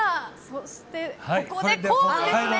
そして、ここでコーンですね。